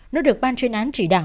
nó được ban chuyên án chỉ đạo